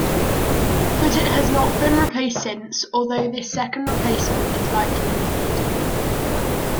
But it has not been replaced since, although this second replacement is likely needed.